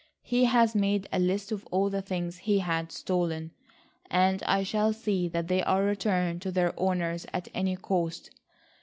He has made a list of all the things he has stolen, and I shall see that they are returned to their owners at any cost.